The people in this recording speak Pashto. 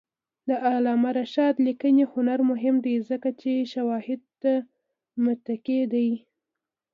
د علامه رشاد لیکنی هنر مهم دی ځکه چې شواهدو ته متکي دی.